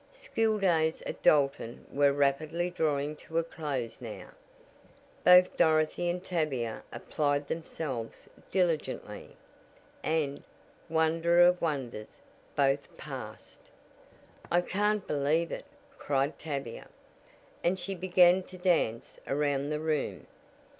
Schooldays at Dalton were rapidly drawing to a close now. Both Dorothy and Tavia applied themselves diligently, and, wonder of wonders, both passed! "I can't believe it!" cried Tavia, and she began to dance around the room.